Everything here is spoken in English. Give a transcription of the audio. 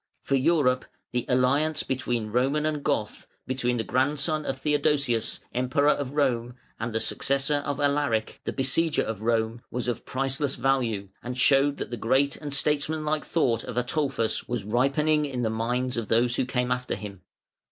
For Europe the alliance between Roman and Goth, between the grandson of Theodosius, Emperor of Rome, and the successor of Alaric, the besieger of Rome, was of priceless value and showed that the great and statesmanlike thought of Ataulfus was ripening in the minds of those who came after him.